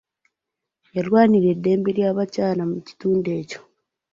Yalwanirira eddembe ly'abakyala mu kitundu ekyo.